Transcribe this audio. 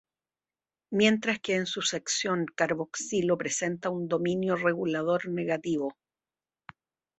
Mientras que en su sección carboxilo presenta un dominio regulador negativo.